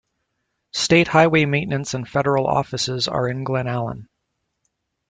State highway maintenance and federal offices are in Glennallen.